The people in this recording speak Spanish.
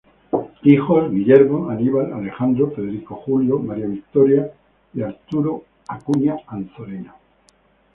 Hijos: Guillermo, Aníbal, Alejandro, Federico Julio, María Victoria y Arturo Acuña Anzorena.